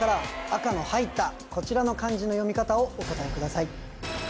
赤の入ったこちらの漢字の読み方をお答えください